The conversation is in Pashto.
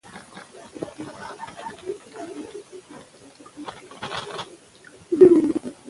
ځوانان د هيواد راتلونکي جوړونکي دي .